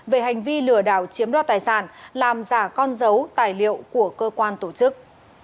về hành vi lừa đảo chiếm đoạt tài sản làm giả con dấu tài liệu của cơ quan tổ chức